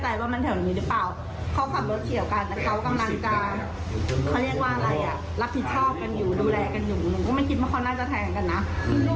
แต่เนี่ยที่พ่อก็แจ้งมาแค่บอกว่าเขาเหมือนมีเรื่องกับคนนี้